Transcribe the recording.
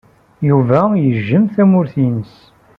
Yuba yejjem tamurt-nnes.